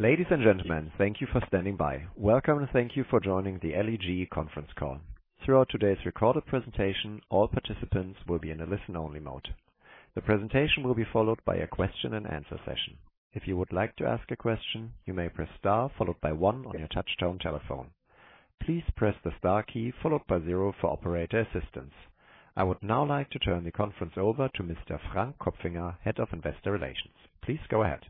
Ladies and gentlemen, thank you for standing by. Welcome, and thank you for joining the LEG Conference Call. Throughout today's recorded presentation, all participants will be in a listen-only mode. The presentation will be followed by a question-and-answer session. If you would like to ask a question, you may press star followed by one on your touchtone telephone. Please press the star key followed by zero for operator assistance. I would now like to turn the conference over to Mr. Frank Kopfinger, Head of Investor Relations. Please go ahead.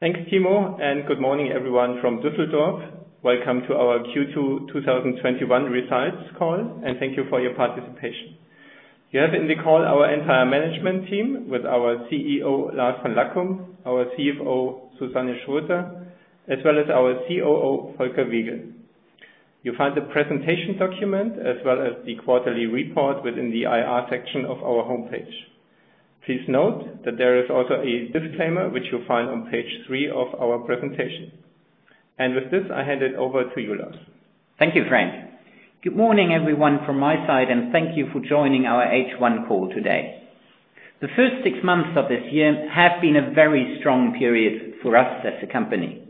Thanks, Timo. Good morning, everyone from Düsseldorf. Welcome to our Q2 2021 Results Call, and thank you for your participation. You have in the call our entire management team with our CEO, Lars von Lackum, our CFO, Susanne Schröter-Crossan, as well as our COO, Volker Wiegel. You'll find the presentation document as well as the quarterly report within the IR section of our homepage. Please note that there is also a disclaimer, which you'll find on page three of our presentation. With this, I hand it over to you, Lars. Thank you, Frank. Good morning, everyone from my side, and thank you for joining our H1 call today. The first six months of this year have been a very strong period for us as a company.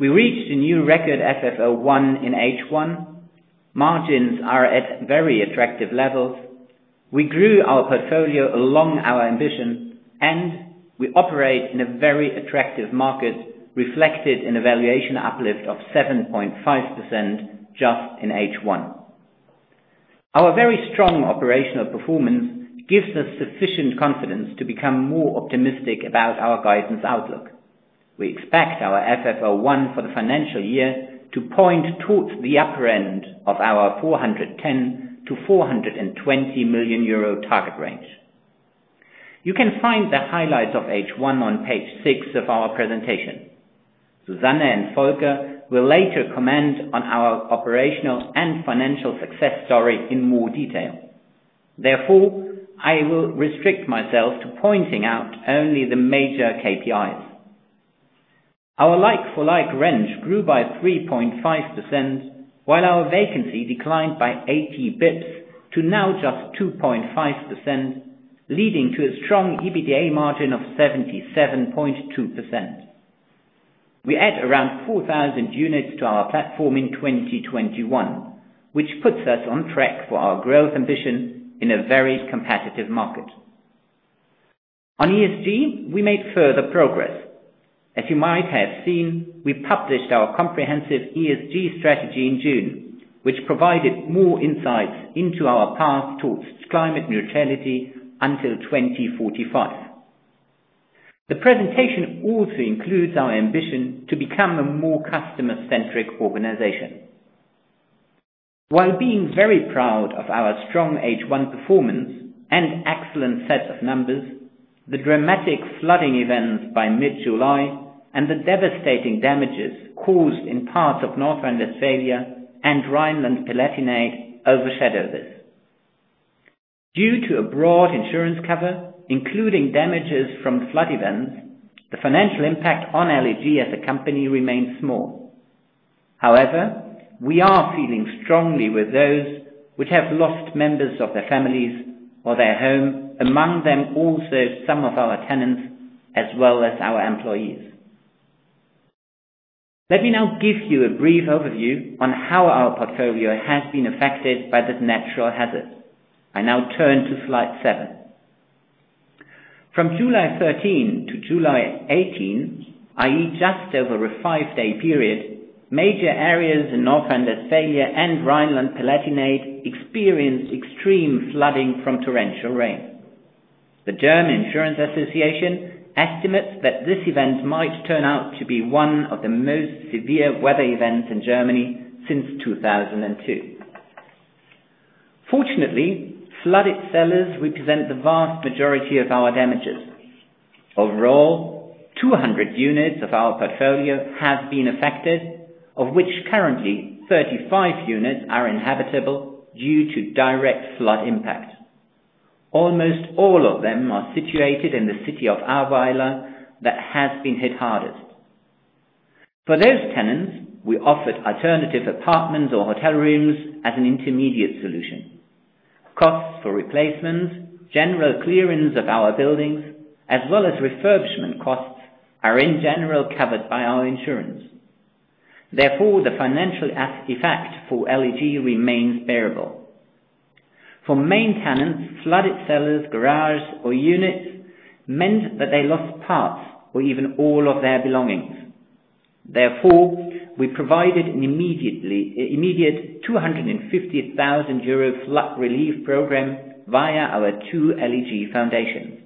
We reached a new record FFO1 in H1. Margins are at very attractive levels. We grew our portfolio along our ambition, and we operate in a very attractive market, reflected in a valuation uplift of 7.5% just in H1. Our very strong operational performance gives us sufficient confidence to become more optimistic about our guidance outlook. We expect our FFO1 for the financial year to point towards the upper end of our 410 million-420 million euro target range. You can find the highlights of H1 on page six of our presentation. Susanne and Volker will later comment on our operational and financial success story in more detail. Therefore, I will restrict myself to pointing out only the major KPIs. Our like-for-like rent grew by 3.5%, while our vacancy declined by 80 basis points to now just 2.5%, leading to a strong EBITDA margin of 77.2%. We add around 4,000 units to our platform in 2021, which puts us on track for our growth ambition in a very competitive market. On ESG, we made further progress. As you might have seen, we published our comprehensive ESG strategy in June, which provided more insights into our path towards climate neutrality until 2045. The presentation also includes our ambition to become a more customer-centric organization. While being very proud of our strong H1 performance and excellent set of numbers, the dramatic flooding events by mid-July and the devastating damages caused in parts of North Rhine-Westphalia and Rhineland-Palatinate overshadow this. Due to a broad insurance cover, including damages from flood events, the financial impact on LEG as a company remains small. However, we are feeling strongly with those which have lost members of their families or their home, among them also some of our tenants as well as our employees. Let me now give you a brief overview on how our portfolio has been affected by this natural hazard. I now turn to slide seven. From July 13-July 18, i.e., just over a five-day period, major areas in North Rhine-Westphalia and Rhineland-Palatinate experienced extreme flooding from torrential rain. The German Insurance Association estimates that this event might turn out to be one of the most severe weather events in Germany since 2002. Fortunately, flooded cellars represent the vast majority of our damages. Overall, 200 units of our portfolio have been affected, of which currently 35 units are inhabitable due to direct flood impact. Almost all of them are situated in the city of Ahrweiler that has been hit hardest. For those tenants, we offered alternative apartments or hotel rooms as an intermediate solution. Costs for replacement, general clearance of our buildings, as well as refurbishment costs are in general covered by our insurance. Therefore, the financial effect for LEG remains bearable. For main tenants, flooded cellars, garages, or units meant that they lost parts or even all of their belongings. Therefore, we provided an immediate 250,000 euro flood relief program via our two LEG foundations.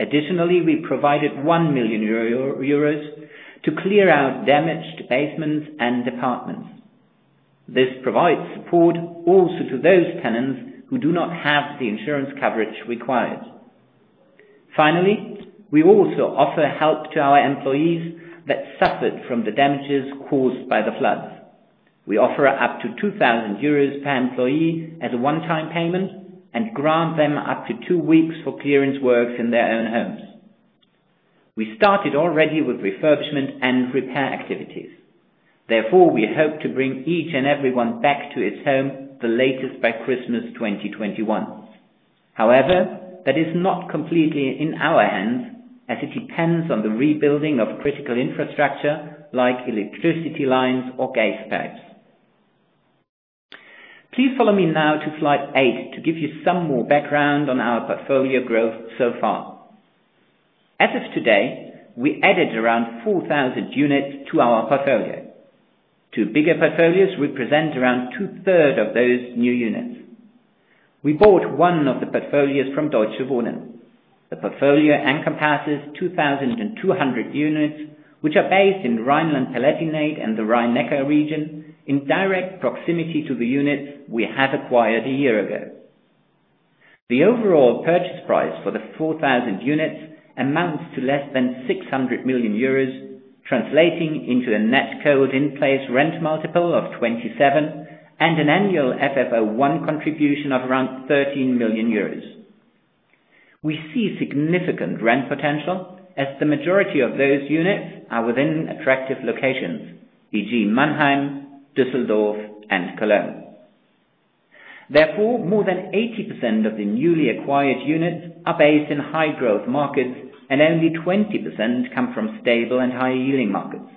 Additionally, we provided 1 million euros to clear out damaged basements and apartments. This provides support also to those tenants who do not have the insurance coverage required. Finally, we also offer help to our employees that suffered from the damages caused by the floods. We offer up to 2,000 euros per employee as a one-time payment and grant them up to two weeks for clearance work in their own homes. We started already with refurbishment and repair activities. Therefore, we hope to bring each and everyone back to his home the latest by Christmas 2021. However, that is not completely in our hands, as it depends on the rebuilding of critical infrastructure, like electricity lines or gas pipes. Please follow me now to slide eight to give you some more background on our portfolio growth so far. As of today, we added around 4,000 units to our portfolio. Two bigger portfolios represent around 2/3 of those new units. We bought one of the portfolios from Deutsche Wohnen. The portfolio encompasses 2,200 units, which are based in Rhineland-Palatinate and the Rhine-Neckar region in direct proximity to the units we have acquired a year ago. The overall purchase price for the 4,000 units amounts to less than 600 million euros, translating into a net cold in place rent multiple of 27 and an annual FFO1 contribution of around 13 million euros. We see significant rent potential as the majority of those units are within attractive locations, e.g. Mannheim, Düsseldorf, and Cologne. Therefore, more than 80% of the newly acquired units are based in high-growth markets, and only 20% come from stable and high-yielding markets.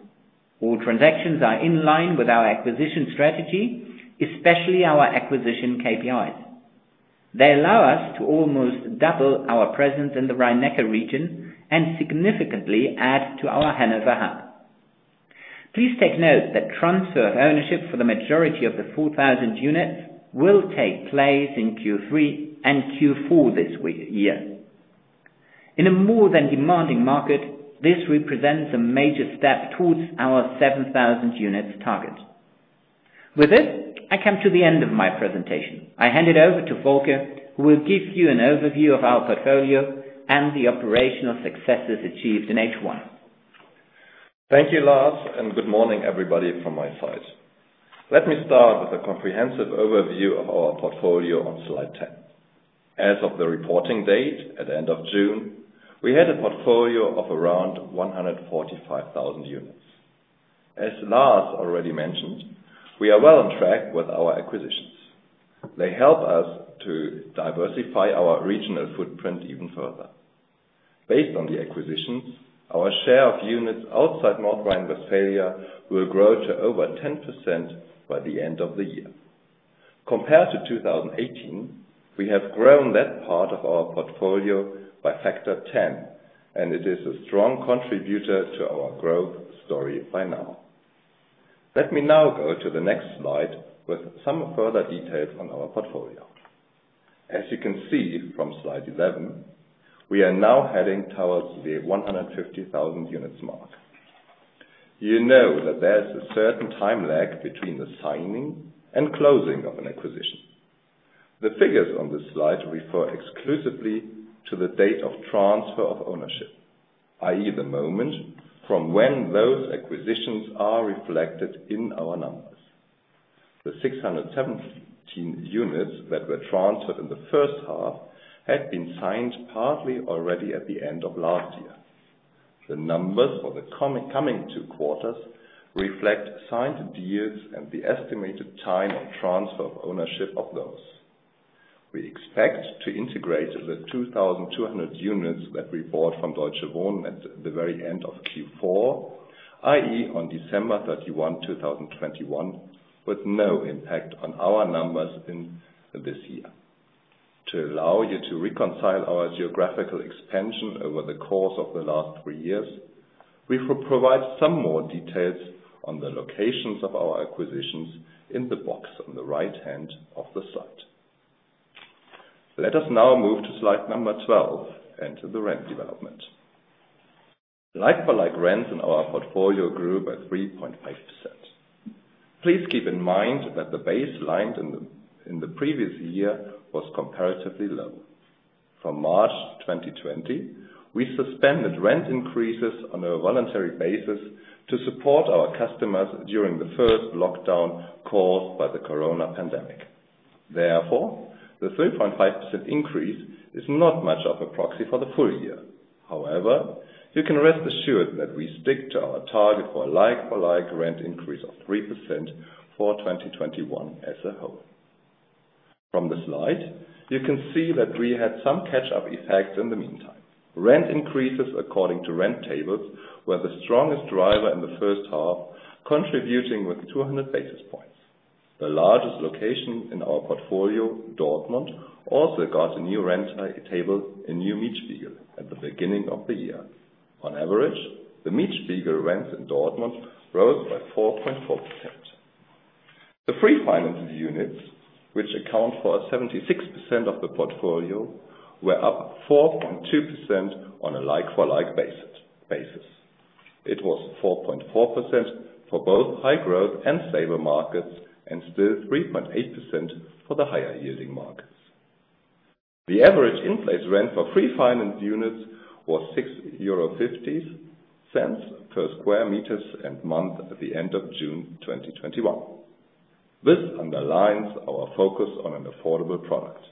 All transactions are in line with our acquisition strategy, especially our acquisition KPIs. They allow us to almost double our presence in the Rhine-Neckar region and significantly add to our Hanover Hub. Please take note that transfer of ownership for the majority of the 4,000 units will take place in Q3 and Q4 this year. In a more than demanding market, this represents a major step towards our 7,000 units target. With this, I come to the end of my presentation. I hand it over to Volker, who will give you an overview of our portfolio and the operational successes achieved in H1. Thank you, Lars. Good morning, everybody, from my side. Let me start with a comprehensive overview of our portfolio on slide 10. As of the reporting date at the end of June, we had a portfolio of around 145,000 units. As Lars already mentioned, we are well on track with our acquisitions. They help us to diversify our regional footprint even further. Based on the acquisitions, our share of units outside North Rhine-Westphalia will grow to over 10% by the end of the year. Compared to 2018, we have grown that part of our portfolio by factor 10. It is a strong contributor to our growth story by now. Let me now go to the next slide with some further details on our portfolio. As you can see from slide 11, we are now heading towards the 150,000 units mark. You know that there's a certain time lag between the signing and closing of an acquisition. The figures on this slide refer exclusively to the date of transfer of ownership, i.e. the moment from when those acquisitions are reflected in our numbers. The 617 units that were transferred in the first half had been signed partly already at the end of last year. The numbers for the coming two quarters reflect signed deals and the estimated time of transfer of ownership of those. We expect to integrate the 2,200 units that we bought from Deutsche Wohnen at the very end of Q4, i.e. on December 31, 2021, with no impact on our numbers in this year. To allow you to reconcile our geographical expansion over the course of the last three years, we will provide some more details on the locations of our acquisitions in the box on the right-hand side of the slide. Let us now move to slide number 12 and to the rent development. Like-for-like rents in our portfolio grew by 3.5%. Please keep in mind that the baseline in the previous year was comparatively low. From March 2020, we suspended rent increases on a voluntary basis to support our customers during the first lockdown caused by the coronavirus pandemic. Therefore, the 3.5% increase is not much of a proxy for the full year. However, you can rest assured that we stick to our target for like-for-like rent increase of 3% for 2021 as a whole. From the slide, you can see that we had some catch-up effects in the meantime. Rent increases according to rent tables were the strongest driver in the first half, contributing with 200 basis points. The largest location in our portfolio, Dortmund, also got a new rent table, a new Mietspiegel at the beginning of the year. On average, the Mietspiegel rents in Dortmund rose by 4.4%. The free-financed units, which account for 76% of the portfolio, were up 4.2% on a like-for-like basis. It was 4.4% for both high growth and stable markets, and still 3.8% for the higher-yielding markets. The average in-place rent for free finance units was 6.50 euro/sq m and month at the end of June 2021. This underlines our focus on an affordable product.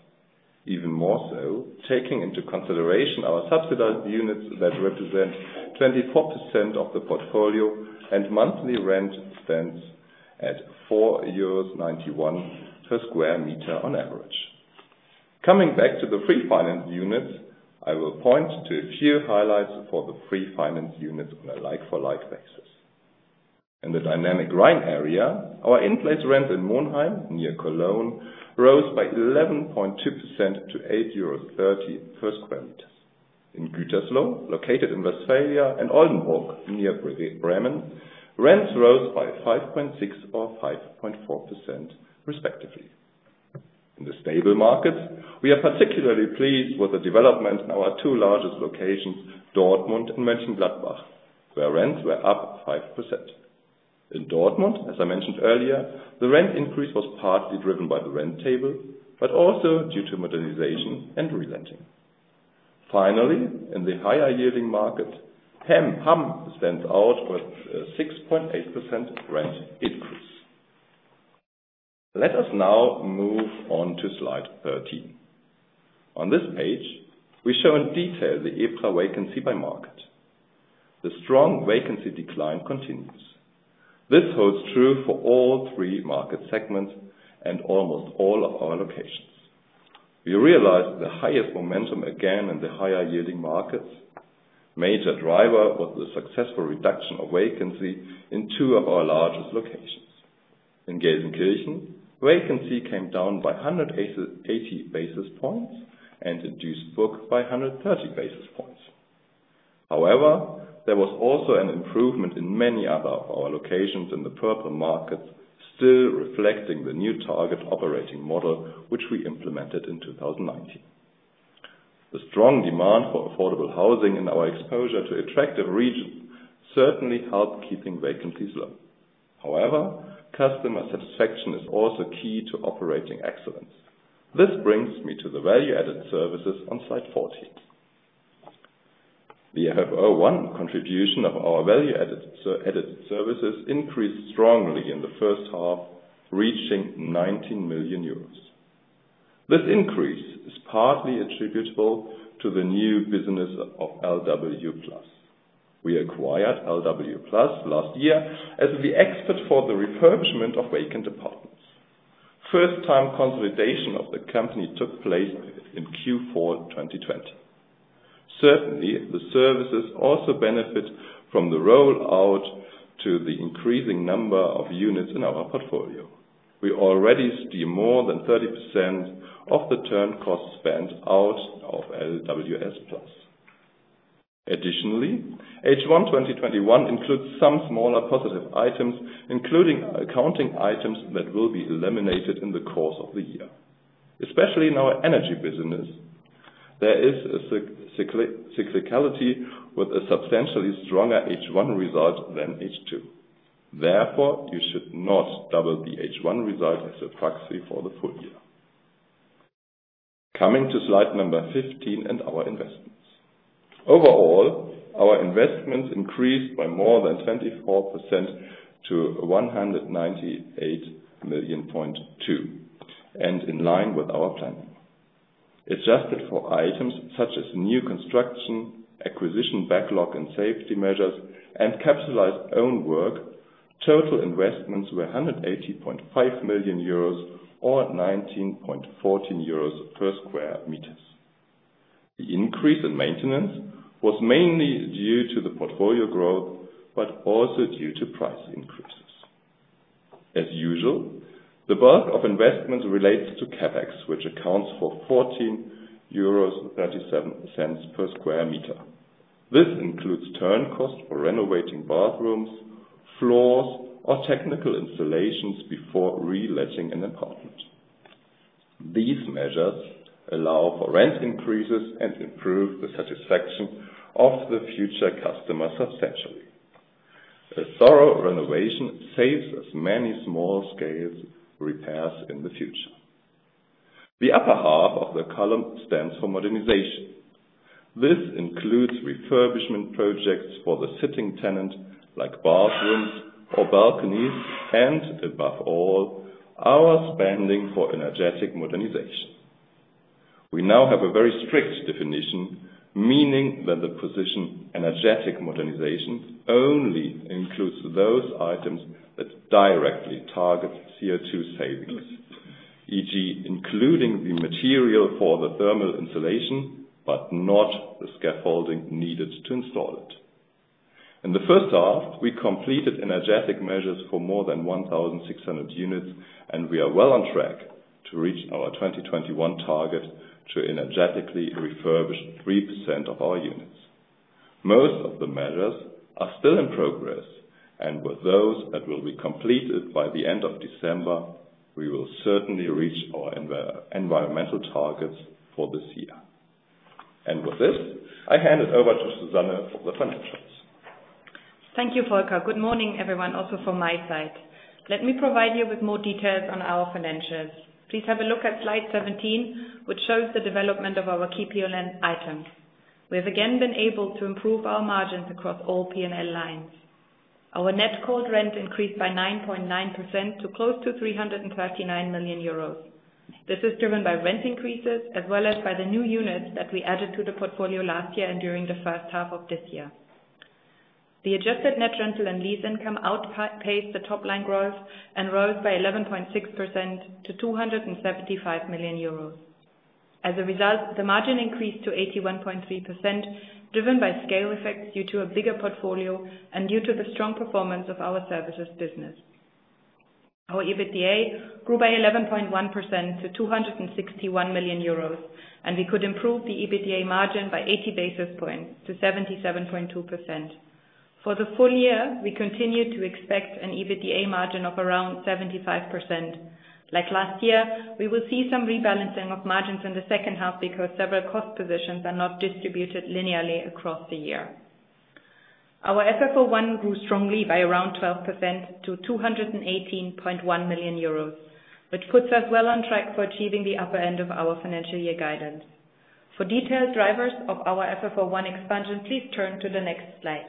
Even more so, taking into consideration our subsidized units that represent 24% of the portfolio and monthly rent spends at 4.91 euros/sq m on average. Coming back to the free finance unit, I will point to a few highlights for the free finance unit on a like-for-like basis. In the dynamic Rhine area, our in-place rent in Monheim near Cologne rose by 11.2% to EUR 8.30/sq m. In Gütersloh, located in Westphalia, and Oldenburg, near Bremen, rents rose by 5.6% or 5.4% respectively. In the stable markets, we are particularly pleased with the development in our two largest locations, Dortmund and Mönchengladbach, where rents were up 5%. In Dortmund, as I mentioned earlier, the rent increase was partly driven by the rent table, but also due to modernization and re-letting. Finally, in the higher-yielding market, [Hamm] stands out with a 6.8% rent increase. Let us now move on to slide 13. On this page, we show in detail the EPRA vacancy by market. The strong vacancy decline continues. This holds true for all three market segments and almost all of our locations. We realized the highest momentum again in the higher-yielding markets. Major driver was the successful reduction of vacancy in two of our largest locations. In Gelsenkirchen, vacancy came down by 180 basis points and in Duisburg by 130 basis points. However, there was also an improvement in many other of our locations in the purple markets, still reflecting the new target operating model, which we implemented in 2019. The strong demand for affordable housing and our exposure to attractive regions certainly helped keeping vacancies low. However, customer satisfaction is also key to operating excellence. This brings me to the value-added services on slide 14. The FFO1 contribution of our value-added services increased strongly in the first half, reaching 19 million euros. This increase is partly attributable to the new business of LWS Plus. We acquired LWS Plus last year as the expert for the refurbishment of vacant apartments. First time consolidation of the company took place in Q4 2020. Certainly, the services also benefit from the rollout to the increasing number of units in our portfolio. We already steer more than 30% of the turn cost spent out of LWS Plus. Additionally, H1 2021 includes some smaller positive items, including accounting items that will be eliminated in the course of the year. Especially in our energy business, there is a cyclicality with a substantially stronger H1 result than H2. Therefore, you should not double the H1 result as a proxy for the full year. Coming to slide number 15 and our investments. Overall, our investments increased by more than 24% to 198.2 million, and in line with our planning. Adjusted for items such as new construction, acquisition backlog and safety measures, and capitalized own work, total investments were 180.5 million euros or 19.14 euros/sq m. The increase in maintenance was mainly due to the portfolio growth, but also due to price increases. As usual, the bulk of investments relates to CapEx, which accounts for 14.37 euros/sq m. This includes turn cost for renovating bathrooms, floors, or technical installations before re-letting an apartment. These measures allow for rent increases and improve the satisfaction of the future customer substantially. A thorough renovation saves us many small-scale repairs in the future. The upper half of the column stands for modernization. This includes refurbishment projects for the sitting tenant, like bathrooms or balconies, and above all, our spending for energetic modernization. We now have a very strict definition, meaning that the position energetic modernization only includes those items that directly target CO2 savings, e.g., including the material for the thermal insulation, but not the scaffolding needed to install it. In the first half, we completed energetic measures for more than 1,600 units, and we are well on track to reach our 2021 target to energetically refurbish 3% of our units. Most of the measures are still in progress, with those that will be completed by the end of December, we will certainly reach our environmental targets for this year. With this, I hand it over to Susanne for the financials. Thank you, Volker. Good morning, everyone, also from my side. Let me provide you with more details on our financials. Please have a look at slide 17, which shows the development of our key P&L items. We have again been able to improve our margins across all P&L lines. Our net cold rent increased by 9.9% to close to 339 million euros. This is driven by rent increases as well as by the new units that we added to the portfolio last year and during the first half of this year. The adjusted net rental and lease income outpaced the top-line growth and rose by 11.6% to 275 million euros. As a result, the margin increased to 81.3%, driven by scale effects due to a bigger portfolio and due to the strong performance of our services business. Our EBITDA grew by 11.1% to 261 million euros, and we could improve the EBITDA margin by 80 basis points to 77.2%. For the full year, we continue to expect an EBITDA margin of around 75%. Like last year, we will see some rebalancing of margins in the second half because several cost positions are not distributed linearly across the year. Our FFO1 grew strongly by around 12% to 218.1 million euros, which puts us well on track for achieving the upper end of our financial year guidance. For detailed drivers of our FFO1 expansion, please turn to the next slide.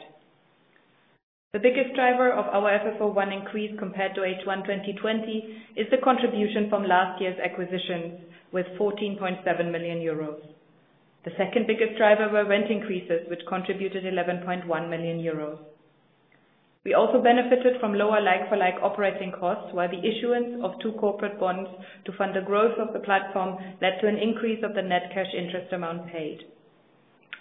The biggest driver of our FFO1 increase compared to H1 2020 is the contribution from last year's acquisitions with 14.7 million euros. The second biggest driver were rent increases, which contributed 11.1 million euros. We also benefited from lower like-for-like operating costs, while the issuance of two corporate bonds to fund the growth of the platform led to an increase of the net cash interest amount paid.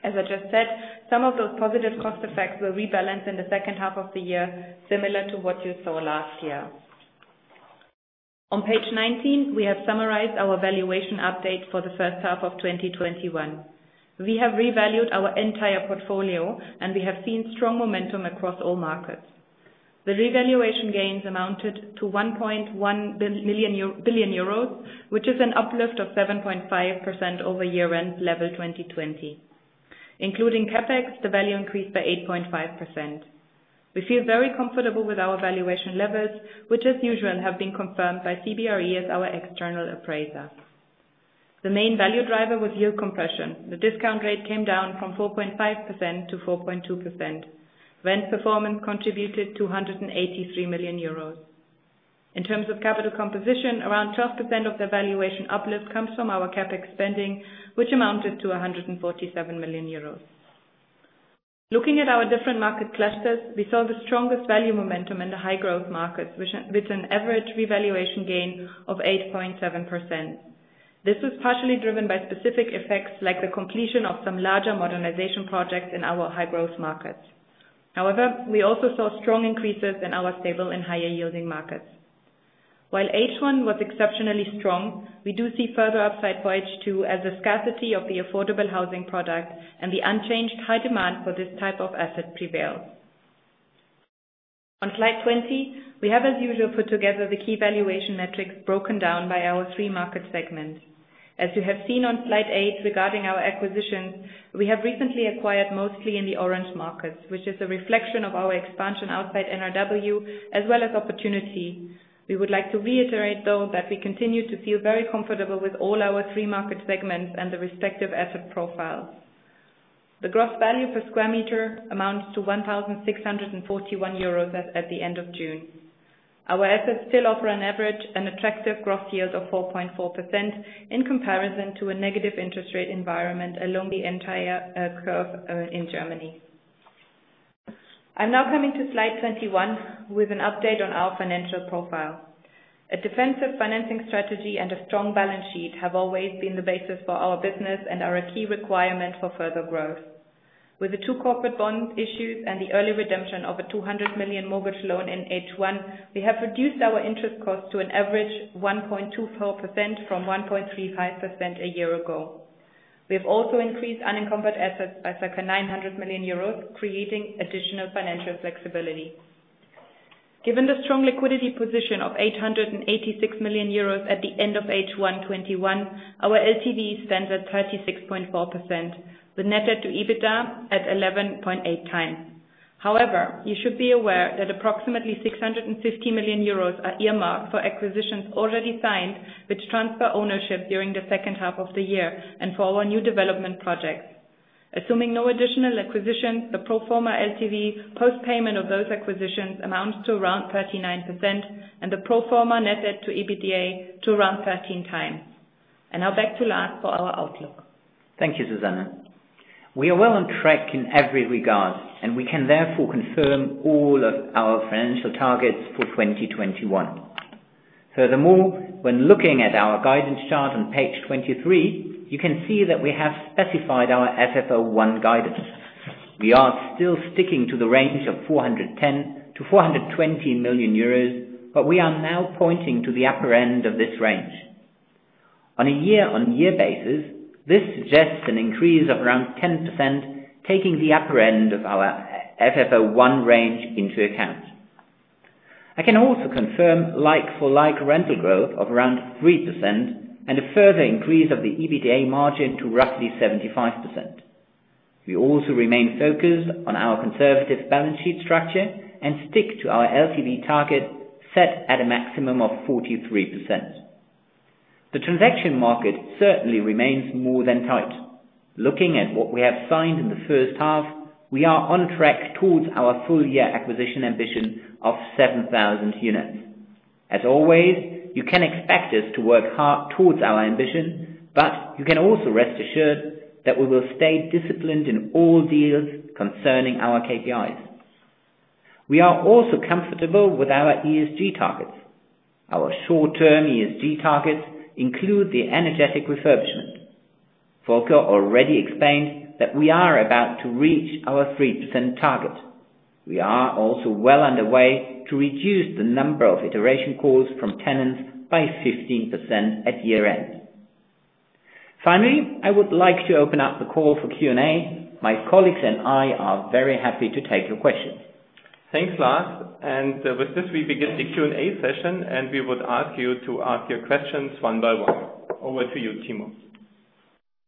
As I just said, some of those positive cost effects will rebalance in the second half of the year, similar to what you saw last year. On page 19, we have summarized our valuation update for the first half of 2021. We have revalued our entire portfolio, we have seen strong momentum across all markets. The revaluation gains amounted to 1.1 billion euros, which is an uplift of 7.5% over year-end level 2020. Including CapEx, the value increased by 8.5%. We feel very comfortable with our valuation levels, which as usual, have been confirmed by CBRE as our external appraiser. The main value driver was yield compression. The discount rate came down from 4.5%-4.2%. Rent performance contributed to 183 million euros. In terms of capital composition, around 12% of the valuation uplift comes from our CapEx spending, which amounted to 147 million euros. Looking at our different market clusters, we saw the strongest value momentum in the high-growth markets, with an average revaluation gain of 8.7%. This was partially driven by specific effects like the completion of some larger modernization projects in our high-growth markets. We also saw strong increases in our stable and higher-yielding markets. While H1 was exceptionally strong, we do see further upside for H2 as the scarcity of the affordable housing product and the unchanged high demand for this type of asset prevails. On slide 20, we have as usual, put together the key valuation metrics broken down by our three market segments. As you have seen on slide eight regarding our acquisitions, we have recently acquired mostly in the orange markets, which is a reflection of our expansion outside NRW, as well as opportunity. We would like to reiterate though, that we continue to feel very comfortable with all our three market segments and the respective asset profiles. The gross value per square meter amounts to 1,641 euros at the end of June. Our assets still offer on average, an attractive gross yield of 4.4% in comparison to a negative interest rate environment along the entire curve in Germany. I am now coming to slide 21 with an update on our financial profile. A defensive financing strategy and a strong balance sheet have always been the basis for our business and are a key requirement for further growth. With the two corporate bonds issued and the early redemption of a 200 million mortgage loan in H1, we have reduced our interest cost to an average 1.24% from 1.35% a year ago. We have also increased unencumbered assets by circa 900 million euros, creating additional financial flexibility. Given the strong liquidity position of 886 million euros at the end of H1 2021, our LTV stands at 36.4%, with net debt to EBITDA at 11.8x. You should be aware that approximately 650 million euros is earmarked for acquisitions already signed, which transfer ownership during the second half of the year and for our new development projects. Assuming no additional acquisitions, the pro forma LTV post-payment of those acquisitions amounts to around 39%, and the pro forma net debt to EBITDA to around 13x. Now back to Lars for our outlook. Thank you, Susanne. We are well on track in every regard, we can therefore confirm all of our financial targets for 2021. Furthermore, when looking at our guidance chart on page 23, you can see that we have specified our FFO1 guidance. We are still sticking to the range of 410 million-420 million euros, we are now pointing to the upper end of this range. On a year-on-year basis, this suggests an increase of around 10%, taking the upper end of our FFO1 range into account. I can also confirm like-for-like rental growth of around 3% and a further increase of the EBITDA margin to roughly 75%. We also remain focused on our conservative balance sheet structure and stick to our LTV target set at a maximum of 43%. The transaction market certainly remains more than tight. Looking at what we have signed in the first half, we are on track towards our full-year acquisition ambition of 7,000 units. As always, you can expect us to work hard towards our ambition, but you can also rest assured that we will stay disciplined in all deals concerning our KPIs. We are also comfortable with our ESG targets. Our short-term ESG targets include the energetic refurbishment. Volker already explained that we are about to reach our 3% target. We are also well underway to reduce the number of iteration calls from tenants by 15% at year-end. Finally, I would like to open up the call for Q&A. My colleagues and I are very happy to take your questions. Thanks, Lars. With this, we begin the Q&A session, and we would ask you to ask your questions one by one. Over to you, Timo.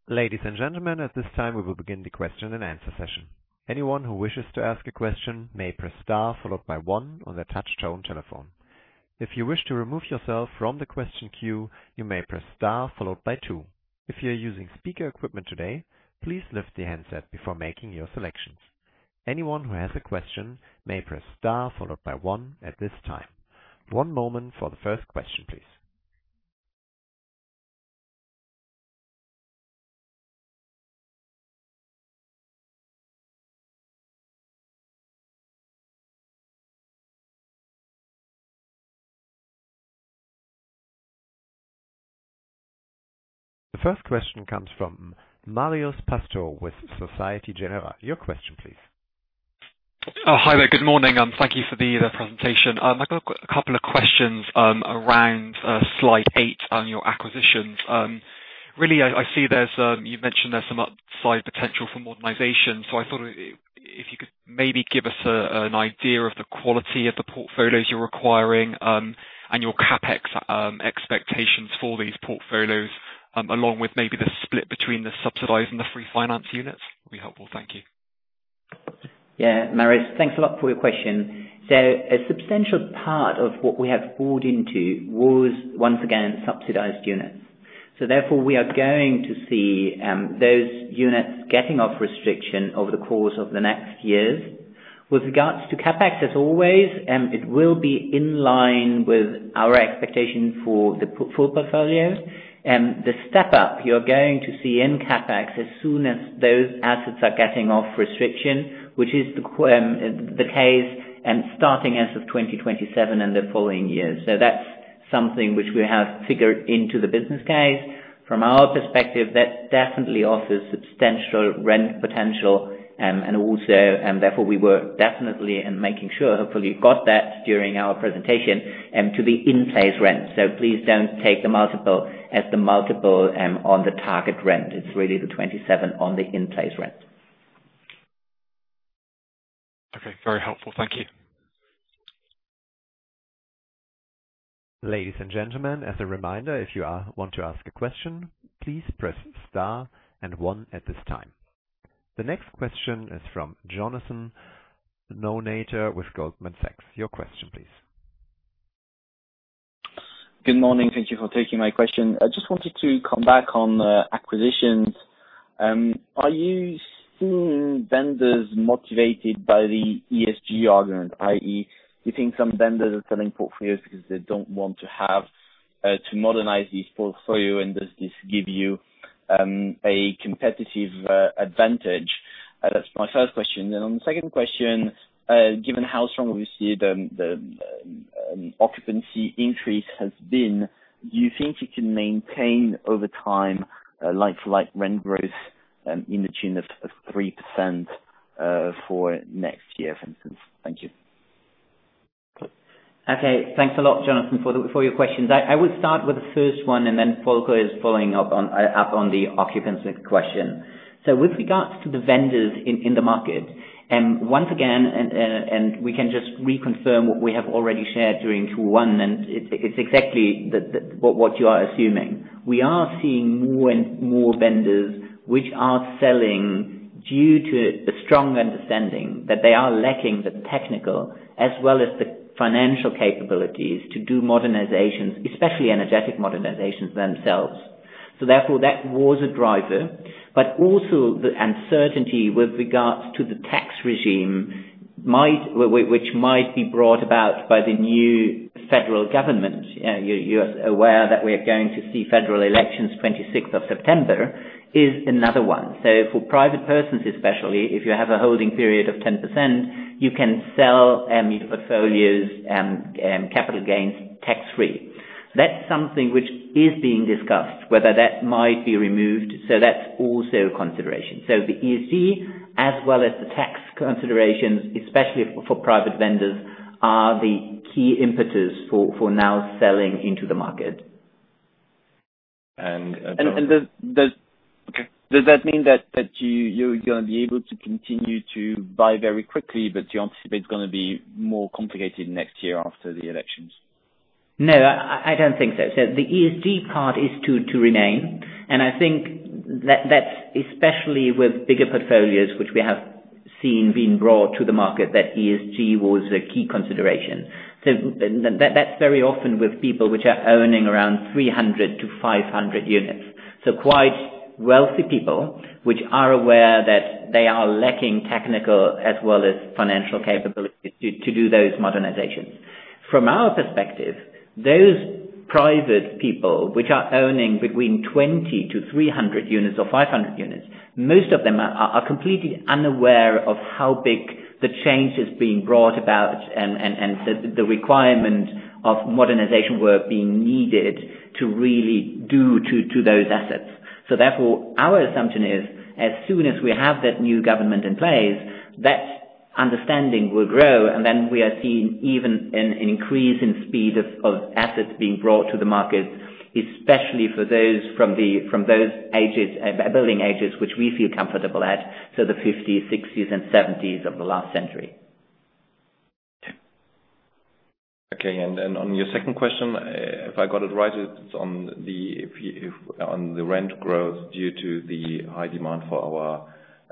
Ladies and gentlemen, at this time we will begin the question-and-answer session. Anyone who wishes to ask a question may press star, followed by one on their touch-tone telephone. If you wish to remove yourself from the question queue, you may press star, followed by two. If you're using speaker equipment today, please lift the handset before making your selection. Anyone who has a question may press star, followed by one at this time. One moment for the first question, please. The first question comes from Marios Pastou with Société Générale. Your question, please. Hi there. Good morning. Thank you for the presentation. I've got a couple of questions around slide eight on your acquisitions. Really, I see you've mentioned there's some upside potential from modernization. I thought if you could maybe give us an idea of the quality of the portfolios you're acquiring and your CapEx expectations for these portfolios, along with maybe the split between the subsidized and the free finance units, would be helpful. Thank you. Yeah, Marios, thanks a lot for your question. A substantial part of what we have bought into was, once again, subsidized units. Therefore, we are going to see those units getting off restriction over the course of the next years. With regards to CapEx, as always, it will be in line with our expectation for the full portfolio. The step up you're going to see in CapEx as soon as those assets are getting off restriction, which is the case starting as of 2027 and the following years. That's something which we have figured into the business case. From our perspective, that definitely offers substantial rent potential. Also, therefore, we were definitely and making sure, hopefully you got that during our presentation, to the in-place rent. Please don't take the multiple as the multiple on the target rent. It's really the 27 on the in-place rent. Okay. Very helpful. Thank you. Ladies and gentlemen, as a reminder, if you want to ask a question, please press star and one at this time. The next question is from Jonathan Kownator with Goldman Sachs. Your question, please. Good morning. Thank you for taking my question. I just wanted to come back on acquisitions. Are you seeing vendors motivated by the ESG argument, i.e., you think some vendors are selling portfolios because they don't want to modernize these portfolio, and does this give you a competitive advantage? That's my first question. On the second question, given how strong we see the occupancy increase has been, you think you can maintain over time, like rent growth in the tune of 3% for next year, for instance? Thank you. Okay, thanks a lot, Jonathan, for your questions. I would start with the first one, and then Volker is following up on the occupancy question. With regards to the vendors in the market, once again, and we can just reconfirm what we have already shared during Q1, and it's exactly what you are assuming. We are seeing more and more vendors which are selling due to the strong understanding that they are lacking the technical as well as the financial capabilities to do modernizations, especially energetic modernizations themselves. Therefore, that was a driver, but also the uncertainty with regards to the tax regime which might be brought about by the new federal government. You're aware that we are going to see federal elections 26th of September, is another one. For private persons, especially if you have a holding period of 10%, you can sell your portfolio's capital gains tax-free. That's something which is being discussed, whether that might be removed. That's also a consideration. The ESG as well as the tax considerations, especially for private vendors, are the key impetus for now selling into the market. Does that mean that you're going to be able to continue to buy very quickly, but you anticipate it's going to be more complicated next year after the elections? No, I don't think so. The ESG part is to remain, and I think that's especially with bigger portfolios, which we have seen being brought to the market that ESG was a key consideration. That's very often with people which are owning around 300-500 units. Quite wealthy people, which are aware that they are lacking technical as well as financial capabilities to do those modernizations. From our perspective, those private people which are owning between 20-300 units or 500 units, most of them are completely unaware of how big the change is being brought about and the requirement of modernization work being needed to really do to those assets. Therefore, our assumption is, as soon as we have that new government in place, that understanding will grow, and then we are seeing even an increase in speed of assets being brought to the market, especially from those building ages which we feel comfortable at, so the 1950s, 1960s, and 1970s of the last century. Okay. On your second question, if I got it right, it's on the rent growth due to the high demand for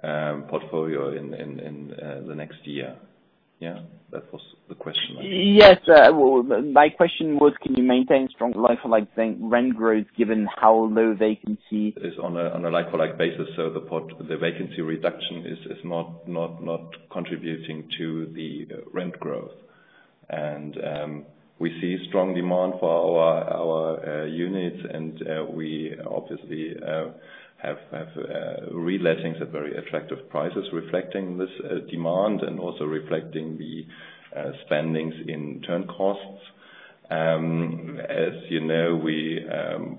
our portfolio in the next year. Yeah. That was the question, I think. Yes. My question was, can you maintain strong like-for-like rent growth given how low vacancy- Is on a like-for-like basis. The vacancy reduction is not contributing to the rent growth. We see strong demand for our units, and we obviously have re-lettings at very attractive prices reflecting this demand and also reflecting the spending in turn costs. As you know, we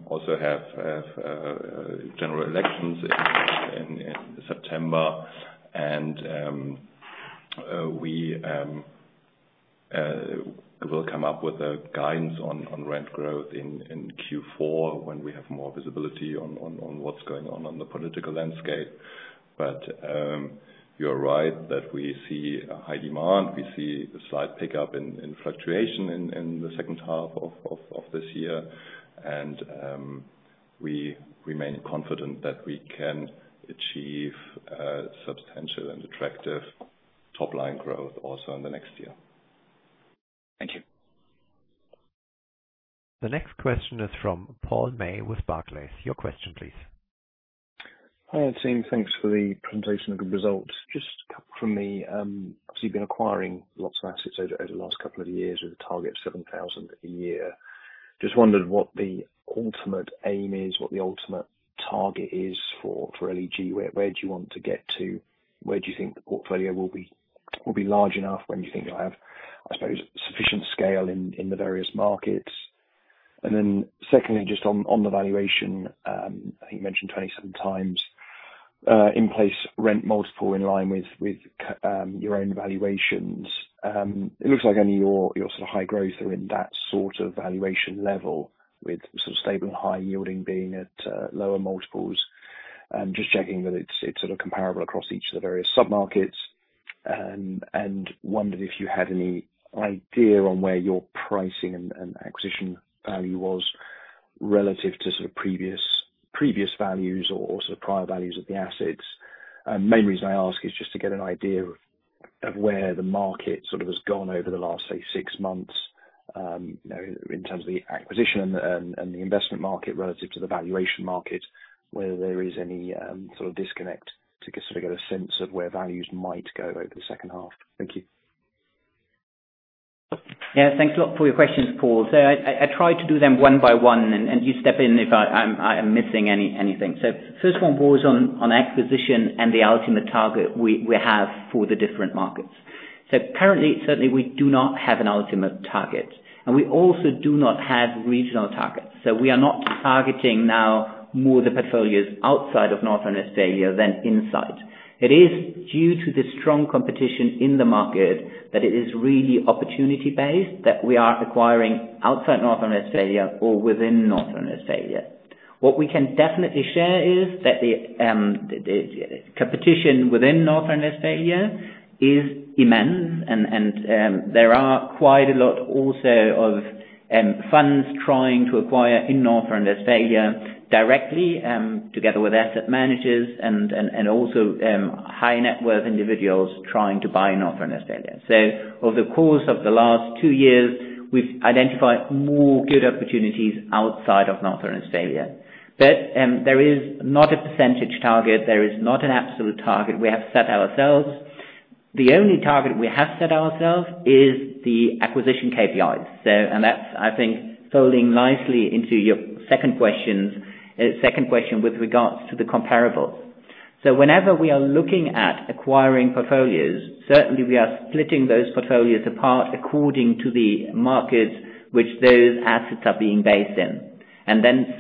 also have general elections in September and we will come up with a guidance on rent growth in Q4 when we have more visibility on what's going on the political landscape. You're right that we see a high demand. We see a slight pickup in fluctuation in the second half of this year. We remain confident that we can achieve substantial and attractive top-line growth also in the next year. Thank you. The next question is from Paul May with Barclays. Your question, please. Hi, team. Thanks for the presentation of the results. Just a couple from me. You've been acquiring lots of assets over the last couple of years with a target of 7,000 a year. Wondered what the ultimate aim is, what the ultimate target is for LEG. Where do you want to get to? Where do you think the portfolio will be large enough when you think you'll have, I suppose, sufficient scale in the various markets? Secondly, on the valuation, I think you mentioned times, in place rent multiple in line with your own valuations. It looks like only your sort of high growth are in that sort of valuation level with sort of stable and high yielding being at lower multiples. Checking that it's sort of comparable across each of the various sub-markets. Wondered if you had any idea on where your pricing and acquisition value was relative to sort of previous values or sort of prior values of the assets. Main reason I ask is just to get an idea of where the market sort of has gone over the last, say, six months, in terms of the acquisition and the investment market relative to the valuation market, whether there is any sort of disconnect to sort of get a sense of where values might go over the second half. Thank you. Yeah. Thanks a lot for your questions, Paul. I try to do them one by one and you step in if I am missing anything. First one was on acquisition and the ultimate target we have for the different markets. Currently, certainly we do not have an ultimate target. We also do not have regional targets. We are not targeting now more the portfolios outside of North Rhine-Westphalia than inside. It is due to the strong competition in the market that it is really opportunity-based that we are acquiring outside North Rhine-Westphalia or within North Rhine-Westphalia. What we can definitely share is that the competition within North Rhine-Westphalia is immense and there are quite a lot also of funds trying to acquire in North Rhine-Westphalia directly, together with asset managers and also high-net worth individuals trying to buy in North Rhine-Westphalia. Over the course of the last two years, we've identified more good opportunities outside of North Rhine-Westphalia. There is not a percentage target, there is not an absolute target we have set ourselves. The only target we have set ourselves is the acquisition KPIs. That's, I think, falling nicely into your second question with regards to the comparables. Whenever we are looking at acquiring portfolios, certainly we are splitting those portfolios apart according to the markets which those assets are being based in.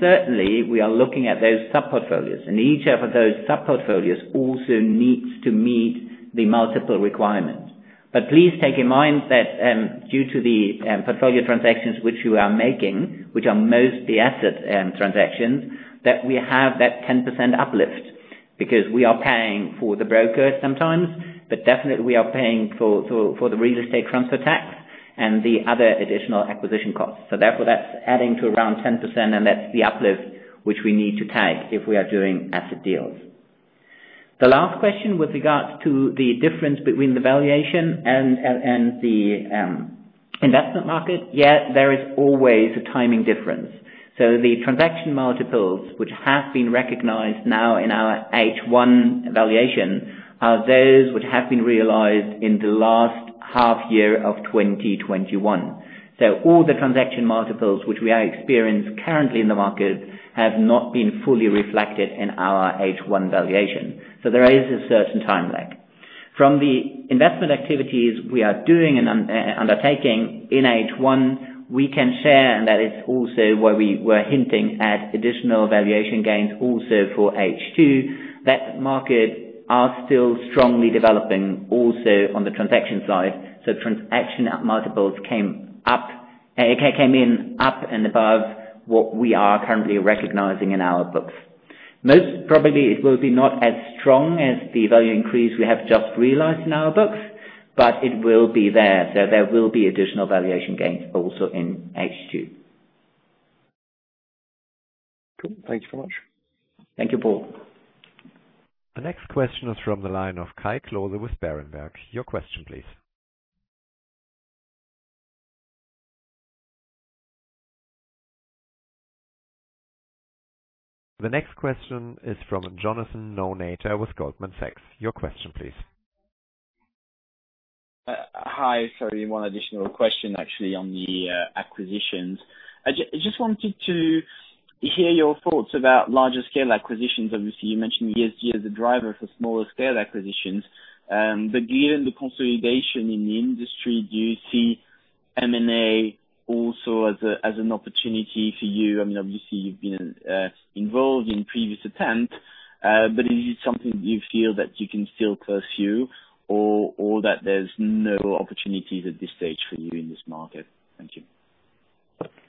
Certainly, we are looking at those sub-portfolios. Each of those sub-portfolios also needs to meet the multiple requirements. Please take in mind that, due to the portfolio transactions which we are making, which are mostly asset transactions, that we have that 10% uplift because we are paying for the broker sometimes, but definitely we are paying for the real estate transfer tax and the other additional acquisition costs. Therefore, that's adding to around 10%, and that's the uplift which we need to take if we are doing asset deals. The last question with regards to the difference between the valuation and the investment market. Yes, there is always a timing difference. The transaction multiples, which have been recognized now in our H1 valuation, are those which have been realized in the last half year of 2021. All the transaction multiples which we are experienced currently in the market have not been fully reflected in our H1 valuation. There is a certain time lag. From the investment activities we are doing and undertaking in H1, we can share, and that is also where we were hinting at additional valuation gains also for H2, that market are still strongly developing also on the transaction side. Transaction multiples came in up and above what we are currently recognizing in our books. Most probably, it will be not as strong as the value increase we have just realized in our books. It will be there. There will be additional valuation gains also in H2. Cool. Thank you so much. Thank you, Paul. The next question is from the line of Kai Klose with Berenberg. Your question, please. The next question is from Jonathan Kownator with Goldman Sachs. Your question, please. Hi. Sorry, one additional question actually on the acquisitions. I just wanted to hear your thoughts about larger scale acquisitions. Obviously, you mentioned ESG as a driver for smaller-scale acquisitions. Given the consolidation in the industry, do you see M&A also as an opportunity for you? Obviously, you've been involved in previous attempts. Is it something you feel that you can still pursue or that there are no opportunities at this stage for you in this market? Thank you.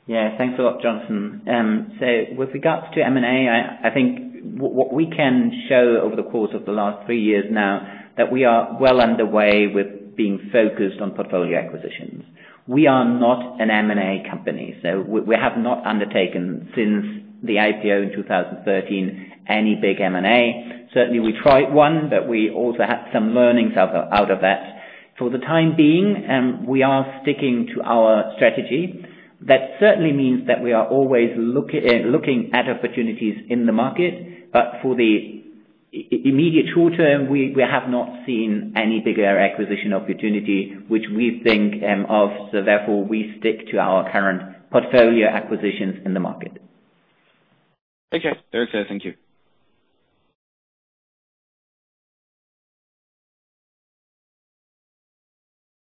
Yeah. Thanks a lot, Jonathan. With regards to M&A, I think what we can show over the course of the last three years now, that we are well underway with being focused on portfolio acquisitions. We are not an M&A company, we have not undertaken since the IPO in 2013 any big M&A. Certainly, we tried one, we also had some learnings out of that. For the time being, we are sticking to our strategy. That certainly means that we are always looking at opportunities in the market, for the immediate short term, we have not seen any bigger acquisition opportunity which we think of, therefore we stick to our current portfolio acquisitions in the market. Okay. Very clear. Thank you.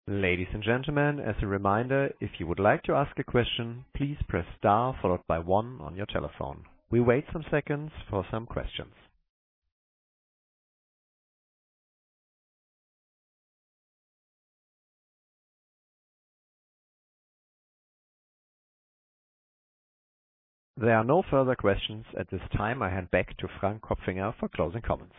Ladies and gentlemen, as a reminder, if you would like to ask a question, please press star followed by one on your telephone. We wait some seconds for some questions. There are no further questions at this time. I hand back to Frank Kopfinger for closing comments.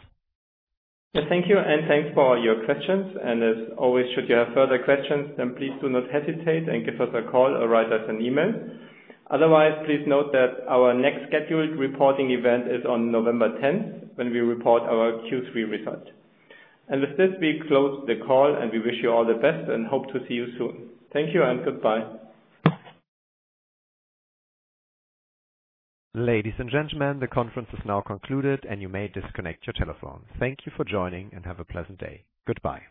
Thank you, and thanks for your questions. As always, should you have further questions, then please do not hesitate and give us a call or write us an email. Otherwise, please note that our next scheduled reporting event is on November 10th, when we report our Q3 results. With this, we close the call, and we wish you all the best and hope to see you soon. Thank you and goodbye. Ladies and gentlemen, the conference is now concluded and you may disconnect your telephone. Thank you for joining and have a pleasant day. Goodbye.